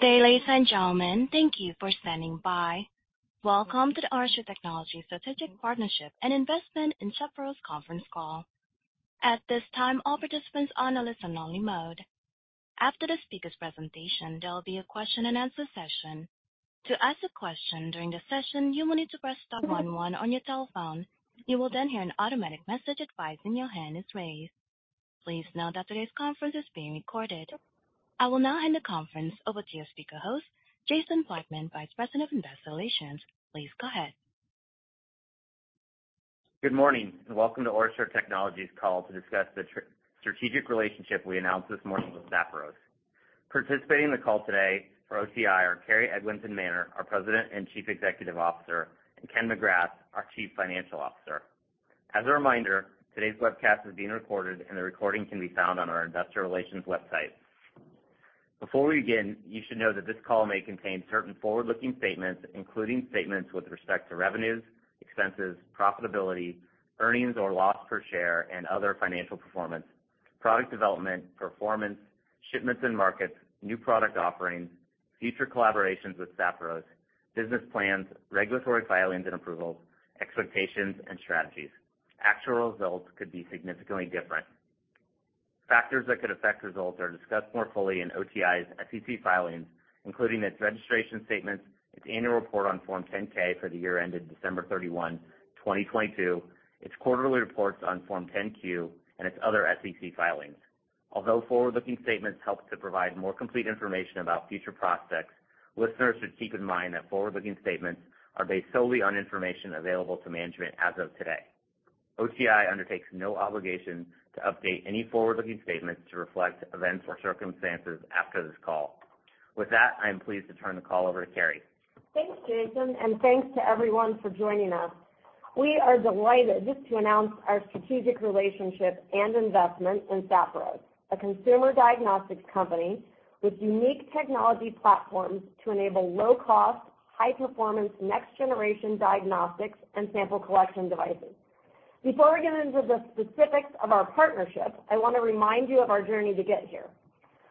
Good day, ladies and gentlemen. Thank you for standing by. Welcome to the OraSure Technologies Strategic Partnership and Investment in Sapphiros conference call. At this time, all participants are on a listen-only mode. After the speaker's presentation, there will be a question-and-answer session. To ask a question during the session, you will need to press star one one on your telephone. You will then hear an automatic message advising your hand is raised. Please note that today's conference is being recorded. I will now hand the conference over to your speaker host, Jason Fleischman, Vice President of Investor Relations. Please go ahead. Good morning, and welcome to OraSure Technologies call to discuss the strategic relationship we announced this morning with Sapphiros. Participating in the call today for OTI are Carrie Eglinton Manner, our President and Chief Executive Officer, and Ken McGrath, our Chief Financial Officer. As a reminder, today's webcast is being recorded, and the recording can be found on our investor relations website. Before we begin, you should know that this call may contain certain forward-looking statements, including statements with respect to revenues, expenses, profitability, earnings or loss per share, and other financial performance, product development, performance, shipments and markets, new product offerings, future collaborations with Sapphiros, business plans, regulatory filings and approvals, expectations and strategies. Actual results could be significantly different. Factors that could affect results are discussed more fully in OraSure Technologies, Inc.'s SEC filings, including its registration statements, its annual report on Form 10-K for the year ended December 31, 2022, its quarterly reports on Form 10-Q, and its other SEC filings. Although forward-looking statements help to provide more complete information about future prospects, listeners should keep in mind that forward-looking statements are based solely on information available to management as of today. OraSure Technologies, Inc. undertakes no obligation to update any forward-looking statements to reflect events or circumstances after this call. With that, I am pleased to turn the call over to Carrie. Thanks, Jason, and thanks to everyone for joining us. We are delighted to announce our strategic relationship and investment in Sapphiros, a consumer diagnostics company with unique technology platforms to enable low-cost, high-performance, next-generation diagnostics and sample collection devices. Before we get into the specifics of our partnership, I wanna remind you of our journey to get here.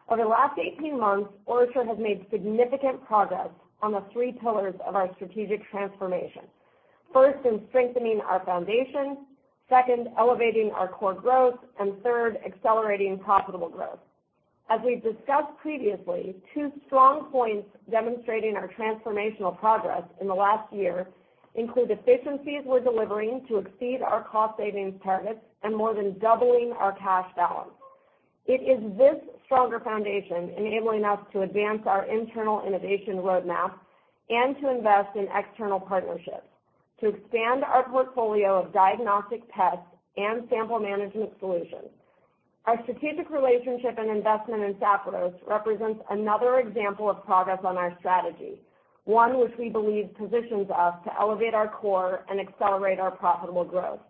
Over the last 18 months, OraSure has made significant progress on the three pillars of our strategic transformation. First, in strengthening our foundation, second, elevating our core growth, and third, accelerating profitable growth. As we've discussed previously, two strong points demonstrating our transformational progress in the last year include efficiencies we're delivering to exceed our cost savings targets and more than doubling our cash balance. It is this stronger foundation enabling us to advance our internal innovation roadmap and to invest in external partnerships to expand our portfolio of diagnostic tests and sample management solutions. Our strategic relationship and investment in Sapphiros represents another example of progress on our strategy, one which we believe positions us to elevate our core and accelerate our profitable growth.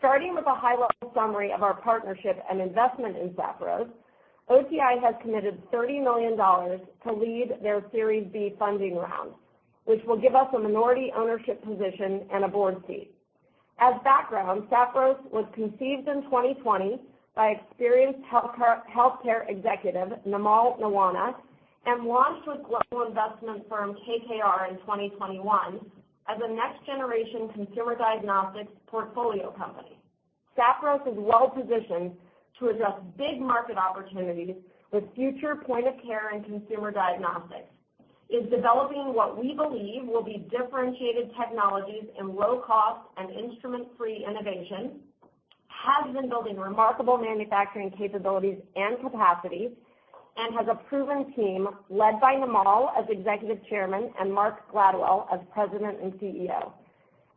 Starting with a high-level summary of our partnership and investment in Sapphiros, OTI has committed $30 million to lead their Series B funding round, which will give us a minority ownership position and a board seat. As background, Sapphiros was conceived in 2020 by experienced healthcare executive Namal Nawana, and launched with global investment firm KKR in 2021 as a next-generation consumer diagnostics portfolio company. Sapphiros is well positioned to address big market opportunities with future point-of-care and consumer diagnostics. It's developing what we believe will be differentiated technologies in low-cost and instrument-free innovation, has been building remarkable manufacturing capabilities and capacity, and has a proven team led by Namal as Executive Chairman and Mark Gladwell as President and CEO.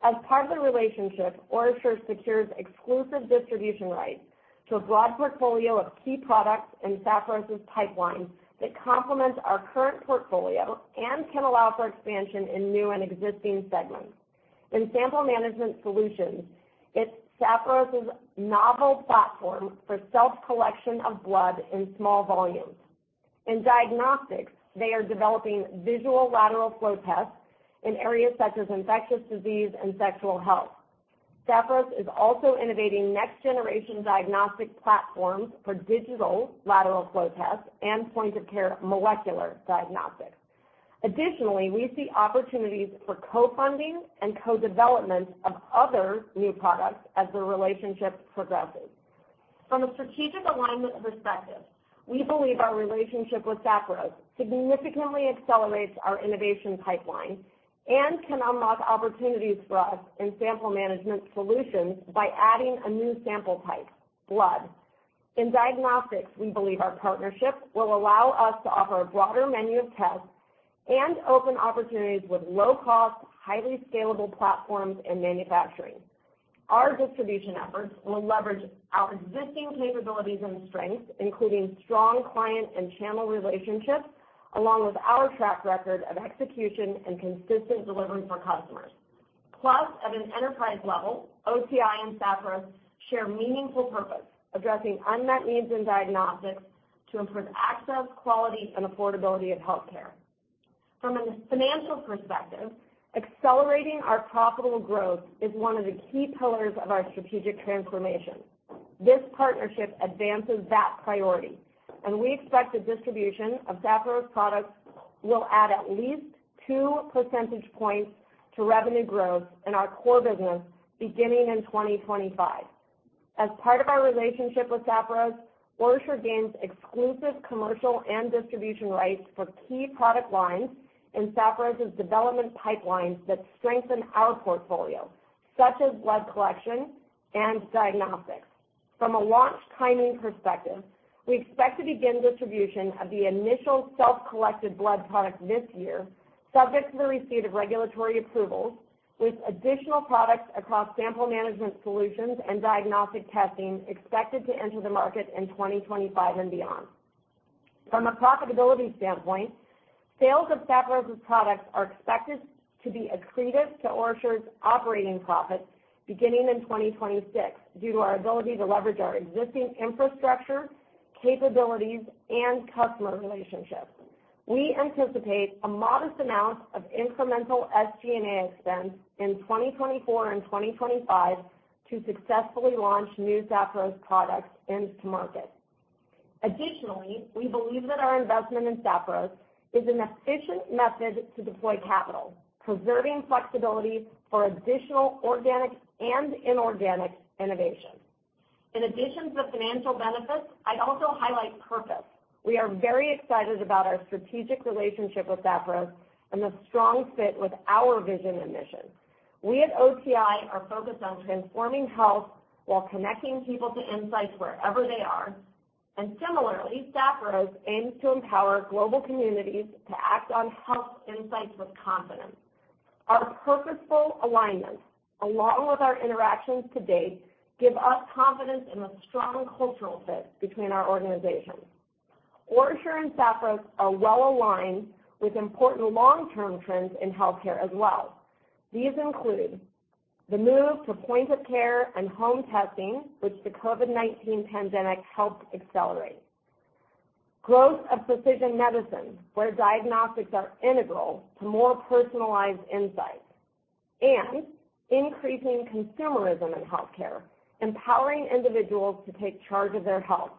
As part of the relationship, OraSure secures exclusive distribution rights to a broad portfolio of key products in Sapphiros' pipeline that complement our current portfolio and can allow for expansion in new and existing segments. In sample management solutions, it's Sapphiros' novel platform for self-collection of blood in small volumes. In diagnostics, they are developing visual lateral flow tests in areas such as infectious disease and sexual health. Sapphiros is also innovating next-generation diagnostic platforms for digital lateral flow tests and point-of-care molecular diagnostics. Additionally, we see opportunities for co-funding and co-development of other new products as the relationship progresses. From a strategic alignment perspective, we believe our relationship with Sapphiros significantly accelerates our innovation pipeline and can unlock opportunities for us in sample management solutions by adding a new sample type, blood. In diagnostics, we believe our partnership will allow us to offer a broader menu of tests and open opportunities with low-cost, highly scalable platforms and manufacturing. Our distribution efforts will leverage our existing capabilities and strengths, including strong client and channel relationships, along with our track record of execution and consistent delivery for customers. Plus, at an enterprise level, OraSure and Sapphiros share meaningful purpose, addressing unmet needs in diagnostics to improve access, quality, and affordability of healthcare....From a financial perspective, accelerating our profitable growth is one of the key pillars of our strategic transformation. This partnership advances that priority, and we expect the distribution of Sapphiros products will add at least two percentage points to revenue growth in our core business beginning in 2025. As part of our relationship with Sapphiros, OraSure gains exclusive commercial and distribution rights for key product lines in Sapphiros' development pipelines that strengthen our portfolio, such as blood collection and diagnostics. From a launch timing perspective, we expect to begin distribution of the initial self-collected blood product this year, subject to the receipt of regulatory approvals, with additional products across sample management solutions and diagnostic testing expected to enter the market in 2025 and beyond. From a profitability standpoint, sales of Sapphiros' products are expected to be accretive to OraSure's operating profits beginning in 2026, due to our ability to leverage our existing infrastructure, capabilities, and customer relationships. We anticipate a modest amount of incremental SG&A expense in 2024 and 2025 to successfully launch new Sapphiros products into market. Additionally, we believe that our investment in Sapphiros is an efficient method to deploy capital, preserving flexibility for additional organic and inorganic innovation. In addition to financial benefits, I'd also highlight purpose. We are very excited about our strategic relationship with Sapphiros and the strong fit with our vision and mission. We at OraSure are focused on transforming health while connecting people to insights wherever they are, and similarly, Sapphiros aims to empower global communities to act on health insights with confidence. Our purposeful alignment, along with our interactions to date, give us confidence in the strong cultural fit between our organizations. OraSure and Sapphiros are well aligned with important long-term trends in healthcare as well. These include the move to point-of-care and home testing, which the COVID-19 pandemic helped accelerate, growth of precision medicine, where diagnostics are integral to more personalized insights, and increasing consumerism in healthcare, empowering individuals to take charge of their health.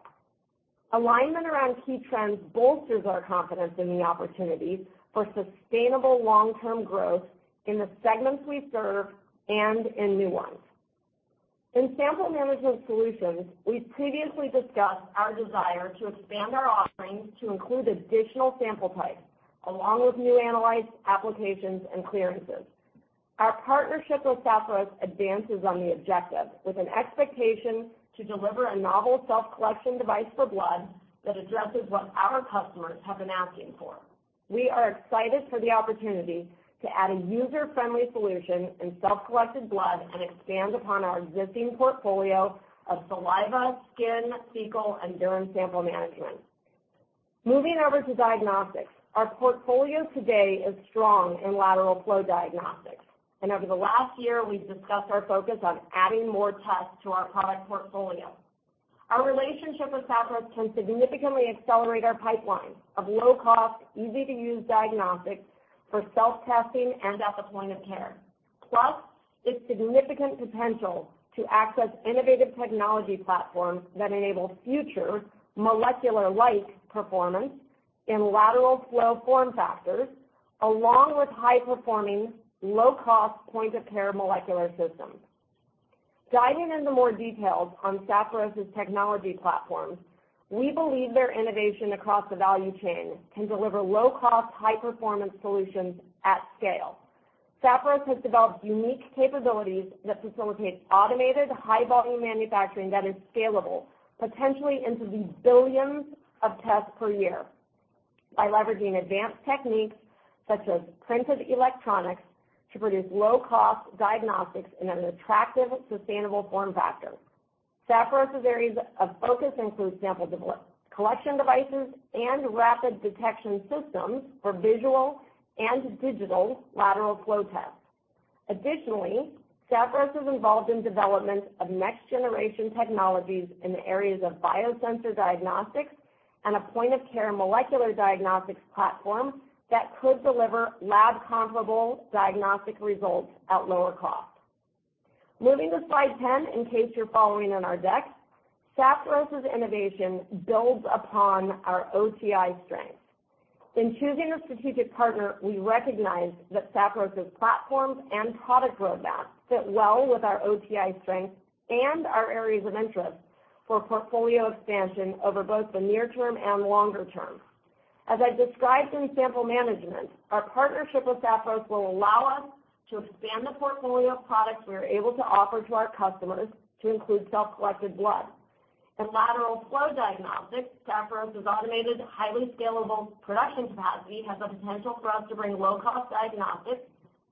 Alignment around key trends bolsters our confidence in the opportunity for sustainable long-term growth in the segments we serve and in new ones. In sample management solutions, we previously discussed our desire to expand our offerings to include additional sample types, along with new analytes, applications, and clearances. Our partnership with Sapphiros advances on the objective, with an expectation to deliver a novel self-collection device for blood that addresses what our customers have been asking for. We are excited for the opportunity to add a user-friendly solution in self-collected blood and expand upon our existing portfolio of saliva, skin, fecal, and urine sample management. Moving over to diagnostics, our portfolio today is strong in lateral flow diagnostics, and over the last year, we've discussed our focus on adding more tests to our product portfolio. Our relationship with Sapphiros can significantly accelerate our pipeline of low-cost, easy-to-use diagnostics for self-testing and point-of-care, plus its significant potential to access innovative technology platforms that enable future molecular-like performance in lateral flow form factors, along with high-performing, low-cost point-of-care molecular systems. Diving into more details on Sapphiros' technology platforms, we believe their innovation across the value chain can deliver low-cost, high-performance solutions at scale. Sapphiros has developed unique capabilities that facilitate automated, high-volume manufacturing that is scalable, potentially into the billions of tests per year, by leveraging advanced techniques such as printed electronics to produce low-cost diagnostics in an attractive, sustainable form factor. Sapphiros' areas of focus include sample collection devices and rapid detection systems for visual and digital lateral flow tests. Additionally, Sapphiros is involved in development of next-generation technologies in the areas of biosensor diagnostics and a point-of-care molecular diagnostics platform that could deliver lab-comparable diagnostic results at lower cost. Moving to slide 10, in case you're following on our deck, Sapphiros' innovation builds upon our OTI strengths. In choosing a strategic partner, we recognize that Sapphiros' platforms and product roadmaps fit well with our OTI strengths and our areas of interest for portfolio expansion over both the near term and longer term. As I described in sample management, our partnership with Sapphiros will allow us to expand the portfolio of products we are able to offer to our customers to include self-collected blood. In lateral flow diagnostics, Sapphiros' automated, highly scalable production capacity has the potential for us to bring low-cost diagnostics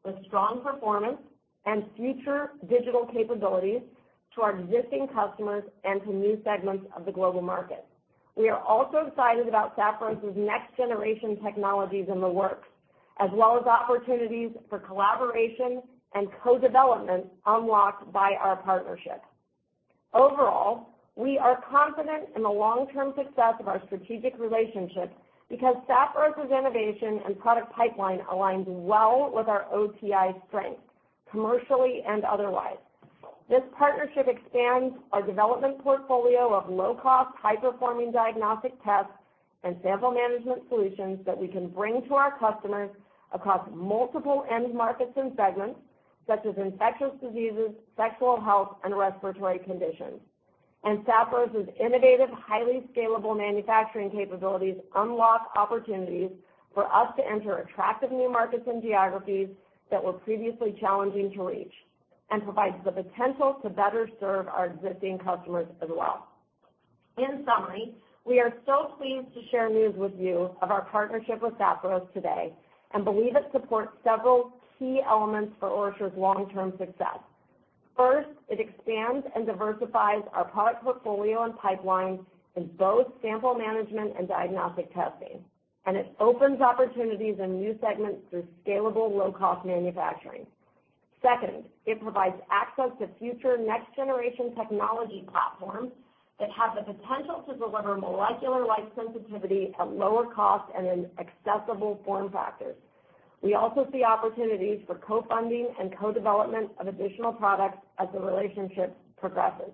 with strong performance and future digital capabilities to our existing customers and to new segments of the global market. We are also excited about Sapphiros' next-generation technologies in the works, as well as opportunities for collaboration and co-development unlocked by our partnership.... Overall, we are confident in the long-term success of our strategic relationship because Sapphiros' innovation and product pipeline aligns well with our OTI strength, commercially and otherwise. This partnership expands our development portfolio of low-cost, high-performing diagnostic tests and sample management solutions that we can bring to our customers across multiple end markets and segments, such as infectious diseases, sexual health, and respiratory conditions. Sapphiros' innovative, highly scalable manufacturing capabilities unlock opportunities for us to enter attractive new markets and geographies that were previously challenging to reach and provides the potential to better serve our existing customers as well. In summary, we are so pleased to share news with you of our partnership with Sapphiros today and believe it supports several key elements for OraSure's long-term success. First, it expands and diversifies our product portfolio and pipeline in both sample management and diagnostic testing, and it opens opportunities in new segments through scalable, low-cost manufacturing. Second, it provides access to future next-generation technology platforms that have the potential to deliver molecular-like sensitivity at lower cost and an accessible form factor. We also see opportunities for co-funding and co-development of additional products as the relationship progresses.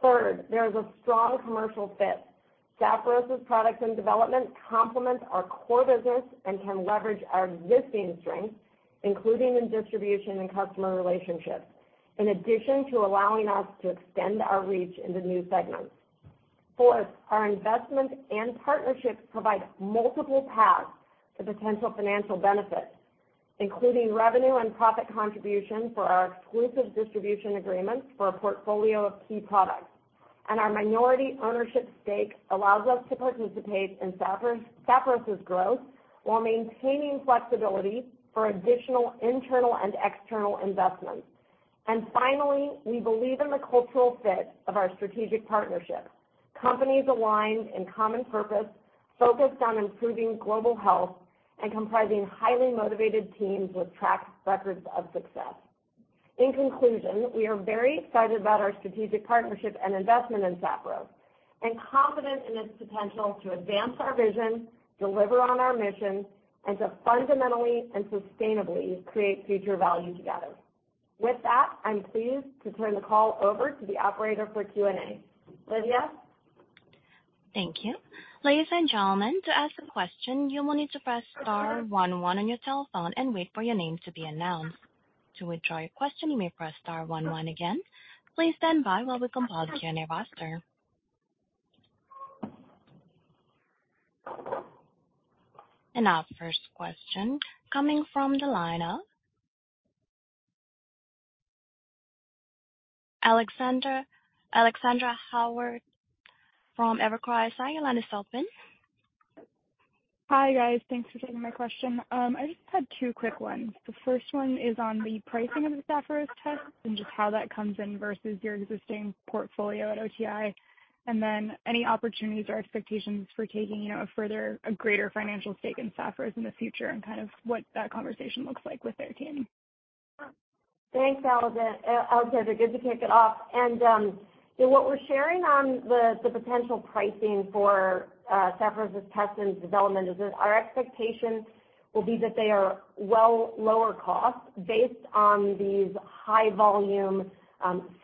Third, there is a strong commercial fit. Sapphiros' products and development complement our core business and can leverage our existing strengths, including in distribution and customer relationships, in addition to allowing us to extend our reach into new segments. Fourth, our investment and partnership provides multiple paths to potential financial benefits, including revenue and profit contribution for our exclusive distribution agreements for a portfolio of key products. Our minority ownership stake allows us to participate in Sapphiros' growth while maintaining flexibility for additional internal and external investments. Finally, we believe in the cultural fit of our strategic partnership. Companies aligned in common purpose, focused on improving global health and comprising highly motivated teams with track records of success. In conclusion, we are very excited about our strategic partnership and investment in Sapphiros, and confident in its potential to advance our vision, deliver on our mission, and to fundamentally and sustainably create future value together. With that, I'm pleased to turn the call over to the operator for Q&A. Lydia? Thank you. Ladies and gentlemen, to ask a question, you will need to press star one one on your telephone and wait for your name to be announced. To withdraw your question, you may press star one one again. Please stand by while we compile the Q&A roster. Our first question coming from the line of Alexandra - Alexandra Howard from Evercore ISI, your line is open. Hi, guys. Thanks for taking my question. I just had two quick ones. The first one is on the pricing of the Sapphiros test and just how that comes in versus your existing portfolio at OraSure, and then any opportunities or expectations for taking, you know, a further, a greater financial stake in Sapphiros in the future and kind of what that conversation looks like with their team. Thanks, Alexandra. Good to kick it off. And, what we're sharing on the potential pricing for Sapphiros' test and development is that our expectations will be that they are well lower cost based on these high volume,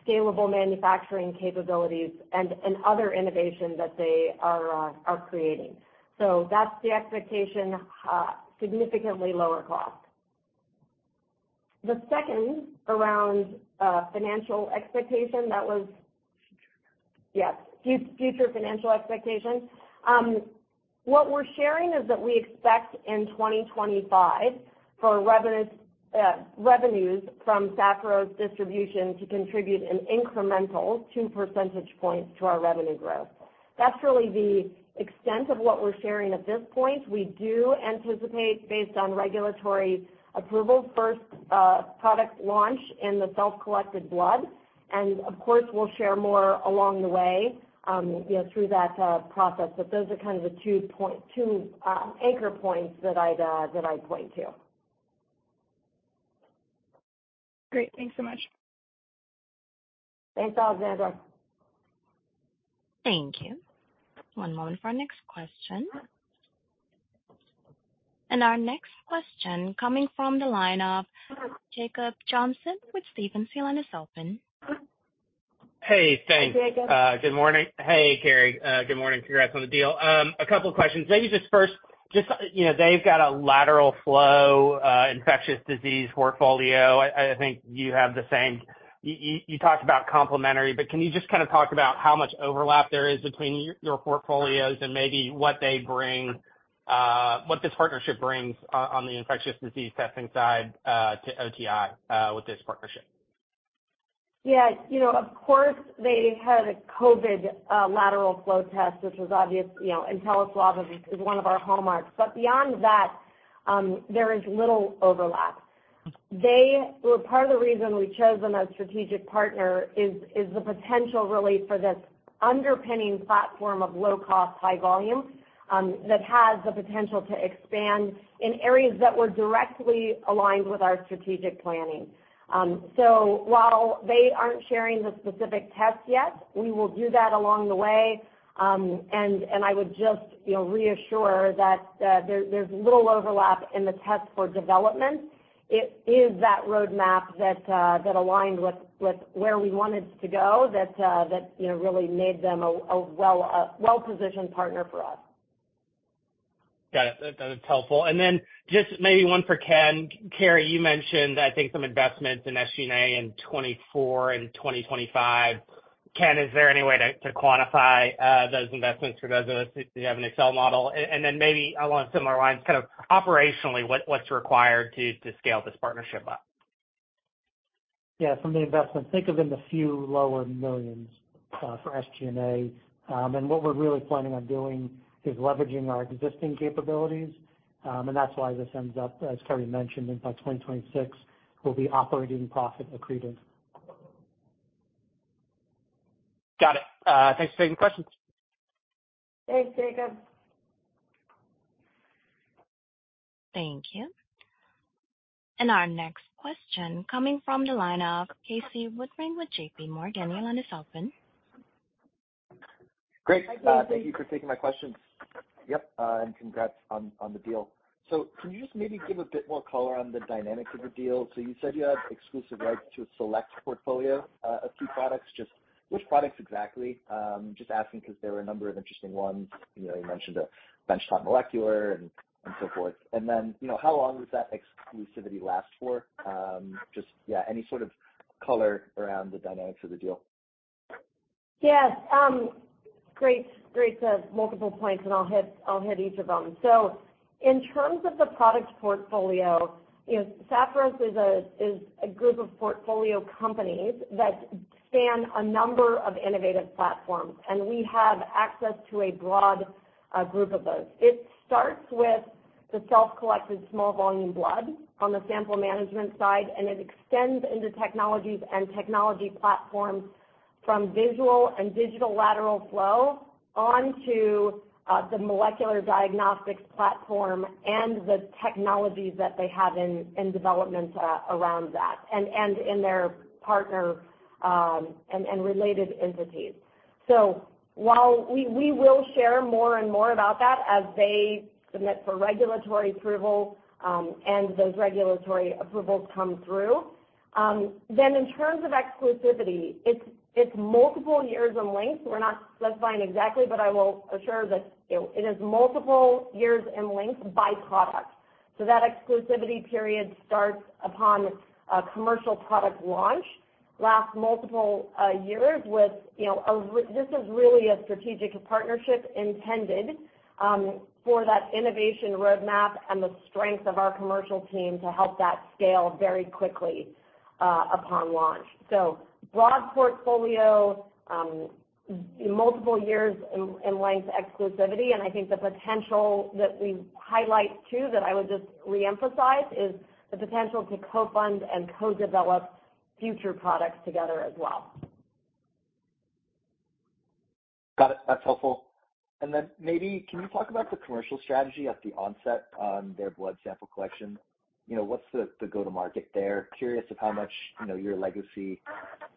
scalable manufacturing capabilities and other innovations that they are creating. So that's the expectation, significantly lower cost. The second, around financial expectation, that was- yes, future financial expectations. What we're sharing is that we expect in 2025 for revenues from Sapphiros distribution to contribute an incremental two percentage points to our revenue growth. That's really the extent of what we're sharing at this point. We do anticipate, based on regulatory approval, first product launch in the self-collected blood, and of course, we'll share more along the way, you know, through that process. But those are kind of the 2.2 anchor points that I'd point to. Great. Thanks so much. Thanks, Alexandra. Thank you. One moment for our next question. Our next question coming from the line of Jacob Johnson with Stephens. Your line is open. Hey, thanks. Hi, Jacob. Good morning. Hey, Carrie. Good morning. Congrats on the deal. A couple of questions. Maybe just first, you know, they've got a lateral flow infectious disease portfolio. I think you have the same. You talked about complementary, but can you just kind of talk about how much overlap there is between your portfolios and maybe what they bring, what this partnership brings on the infectious disease testing side, to OTI, with this partnership? Yeah, you know, of course, they had a COVID lateral flow test, which was obvious, you know, InteliSwab is one of our hallmarks. But beyond that, there is little overlap. They were part of the reason we chose them as strategic partner is the potential really for this underpinning platform of low cost, high volume that has the potential to expand in areas that were directly aligned with our strategic planning. So while they aren't sharing the specific tests yet, we will do that along the way. And I would just, you know, reassure that, there, there's little overlap in the test for development. It is that roadmap that aligned with where we wanted to go, that you know, really made them a well-positioned partner for us. Got it. That, that's helpful. And then just maybe one for Ken. Carrie, you mentioned, I think, some investments in SG&A in 2024 and 2025. Ken, is there any way to quantify those investments for those of us if you have an Excel model? And then maybe along similar lines, kind of operationally, what's required to scale this partnership up? Yeah, from the investment, think of in the low few millions for SG&A. What we're really planning on doing is leveraging our existing capabilities. That's why this ends up, as Carrie mentioned, and by 2026, we'll be operating profit accretive. Got it. Thanks for taking the question. Thanks, Jacob. Thank you. And our next question coming from the line of Casey Woodring with J.P. Morgan. Your line is open. Great. Hi, Casey. Thank you for taking my questions. Yep, and congrats on the deal. So can you just maybe give a bit more color on the dynamics of the deal? So you said you have exclusive rights to a select portfolio of two products. Just which products exactly? Just asking because there were a number of interesting ones. You know, you mentioned a benchtop molecular and so forth. And then, you know, how long does that exclusivity last for? Just, yeah, any sort of color around the dynamics of the deal. Yes. Great, great. So multiple points, and I'll hit, I'll hit each of them. So in terms of the product portfolio, you know, Sapphiros is a group of portfolio companies that span a number of innovative platforms, and we have access to a broad group of those. It starts with the self-collected small volume blood on the sample management side, and it extends into technologies and technology platforms from visual and digital lateral flow onto the molecular diagnostics platform and the technologies that they have in development around that and in their partner and related entities. So while we will share more and more about that as they submit for regulatory approval and those regulatory approvals come through. Then in terms of exclusivity, it's multiple years in length. We're not specifying exactly, but I will assure that, you know, it is multiple years in length by product. So that exclusivity period starts upon a commercial product launch, lasts multiple years with, you know, this is really a strategic partnership intended for that innovation roadmap and the strength of our commercial team to help that scale very quickly upon launch. So broad portfolio, multiple years in length exclusivity, and I think the potential that we highlight, too, that I would just reemphasize, is the potential to co-fund and co-develop future products together as well. Got it. That's helpful. And then maybe can you talk about the commercial strategy at the onset on their blood sample collection? You know, what's the, the go-to-market there? Curious of how much, you know, your legacy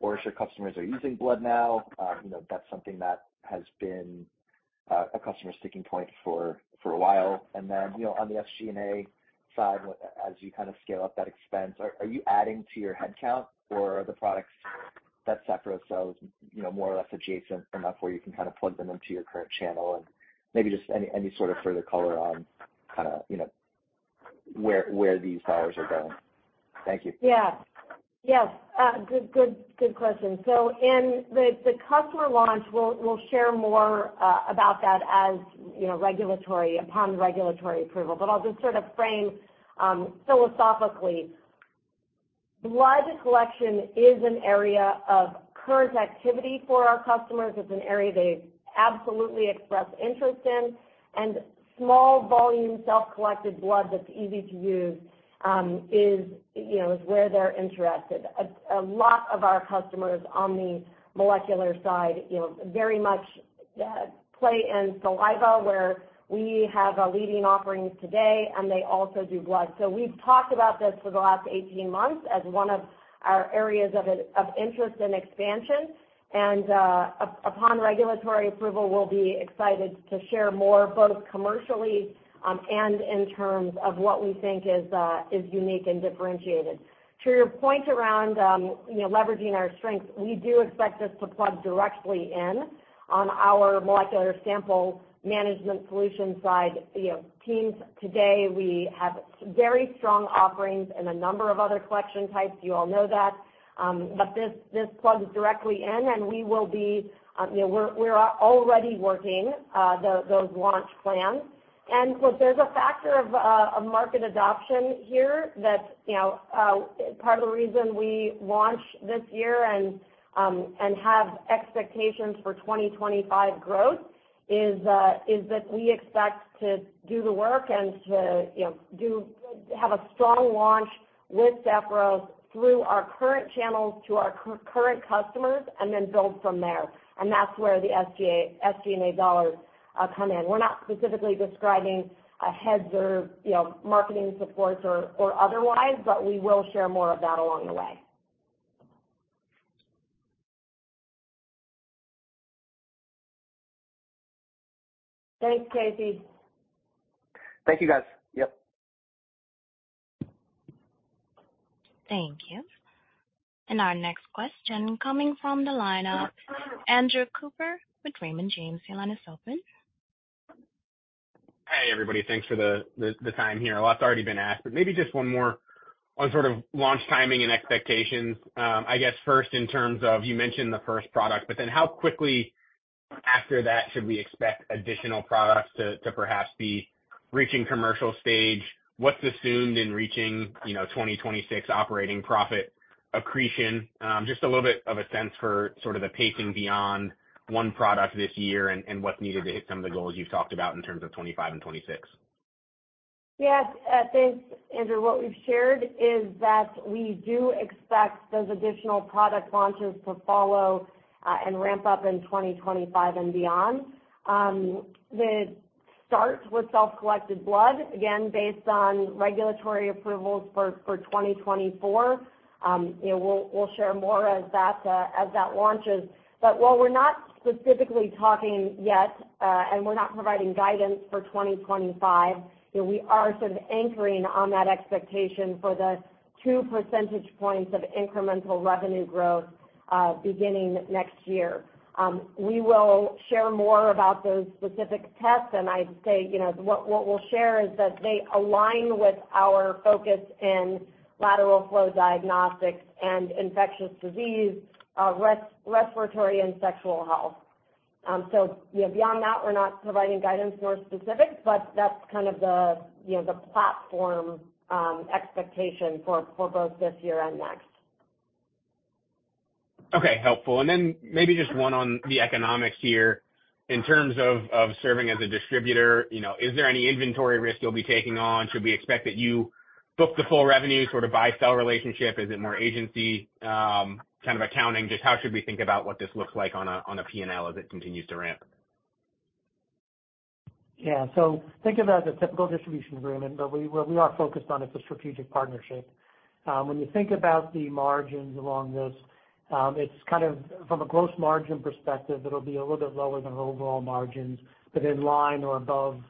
or if your customers are using blood now. You know, that's something that has been, a customer sticking point for, for a while. And then, you know, on the SG&A side, as you kind of scale up that expense, are, are you adding to your headcount or are the products that Sapphiros sells, you know, more or less adjacent enough where you can kind of plug them into your current channel? And maybe just any, any sort of further color on kind of, you know, where, where these buyers are going. Thank you. Yeah. Yes. Good, good, good question. So in the customer launch, we'll share more about that, as you know, upon regulatory approval. But I'll just sort of frame philosophically. Blood collection is an area of current activity for our customers. It's an area they've absolutely expressed interest in, and small volume, self-collected blood that's easy to use is, you know, where they're interested. A lot of our customers on the molecular side, you know, very much play in saliva, where we have a leading offerings today, and they also do blood. So we've talked about this for the last 18 months as one of our areas of interest and expansion. And upon regulatory approval, we'll be excited to share more, both commercially and in terms of what we think is unique and differentiated. To your point around, you know, leveraging our strengths, we do expect this to plug directly in on our molecular sample management solution side. You know, teams today, we have very strong offerings in a number of other collection types. You all know that. But this, this plugs directly in, and we will be, you know, we're, we're already working, those launch plans. And look, there's a factor of, of market adoption here that, you know, part of the reason we launched this year and, and have expectations for 2025 growth is, is that we expect to do the work and to, you know, have a strong launch with Sapphiros through our current channels to our current customers, and then build from there. And that's where the SG&A dollars, come in. We're not specifically describing heads or, you know, marketing supports or otherwise, but we will share more of that along the way. Thanks, Casey. Thank you, guys. Yep. Thank you. And our next question coming from the line of Andrew Cooper with Raymond James. Your line is open. Hey, everybody. Thanks for the time here. A lot's already been asked, but maybe just one more on sort of launch timing and expectations. I guess first in terms of, you mentioned the first product, but then how quickly after that should we expect additional products to perhaps be reaching commercial stage? What's assumed in reaching, you know, 2026 operating profit accretion? Just a little bit of a sense for sort of the pacing beyond one product this year and what's needed to hit some of the goals you've talked about in terms of 25 and 26. Yes, thanks, Andrew. What we've shared is that we do expect those additional product launches to follow, and ramp up in 2025 and beyond. It starts with self-collected blood, again, based on regulatory approvals for 2024. You know, we'll share more as that launches. But while we're not specifically talking yet, and we're not providing guidance for 2025, you know, we are sort of anchoring on that expectation for the 2 percentage points of incremental revenue growth, beginning next year. We will share more about those specific tests, and I'd say, you know, what we'll share is that they align with our focus in lateral flow diagnostics and infectious disease, respiratory and sexual health. So, you know, beyond that, we're not providing guidance more specifics, but that's kind of the, you know, the platform expectation for, for both this year and next. Okay, helpful. And then maybe just one on the economics here. In terms of serving as a distributor, you know, is there any inventory risk you'll be taking on? Should we expect that you book the full revenue, sort of buy-sell relationship? Is it more agency kind of accounting? Just how should we think about what this looks like on a P&L as it continues to ramp? Yeah. So think of it as a typical distribution agreement, but we, what we are focused on is a strategic partnership. When you think about the margins along this, it's kind of from a gross margin perspective, it'll be a little bit lower than our overall margins, but in line or above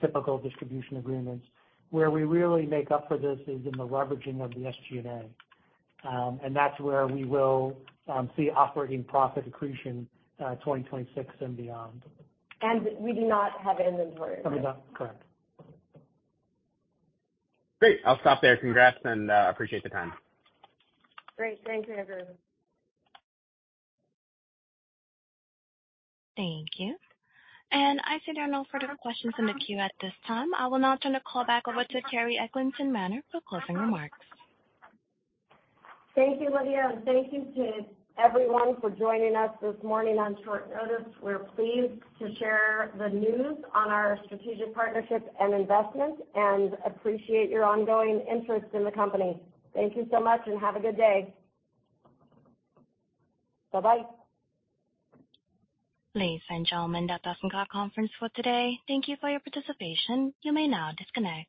typical distribution agreements. Where we really make up for this is in the leveraging of the SG&A, and that's where we will see operating profit accretion, 2026 and beyond. We do not have inventory. No, we don't. Correct. Great. I'll stop there. Congrats, and appreciate the time. Great. Thanks, Andrew. Thank you. I see there are no further questions in the queue at this time. I will now turn the call back over to Carrie Eglinton Manner for closing remarks. Thank you, Lydia, and thank you to everyone for joining us this morning on short notice. We're pleased to share the news on our strategic partnerships and investments and appreciate your ongoing interest in the company. Thank you so much and have a good day. Bye-bye. Ladies and gentlemen, that does end our conference for today. Thank you for your participation. You may now disconnect.